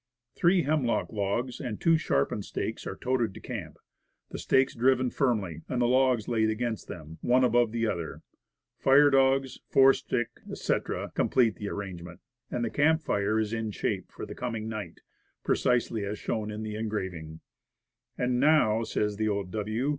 Three hemlock logs and two sharpened stakes are toted to camp; the stakes driven firmly, and the logs laid against them, one above the other. Fire dogs, fore stick, etc., complete the arrangement, and the camp fire is in shape for the coming night, precisely as shown in the engraving on page 47 "And now," says the O. W.